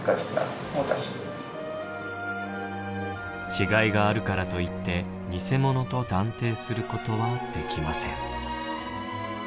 違いがあるからといって偽物と断定することはできません。